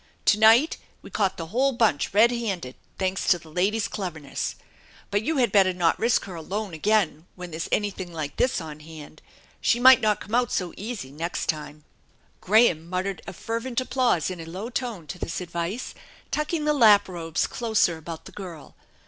To night we caught the whole bunch red handed, thanks to the lady's cleverness. But you had better not risk her alone again when there's anything like this on hand. She might not come out so easy next time !" Graham muttered a fervent applause in a low tone to this advice, tucking the lap robes closer about the girl.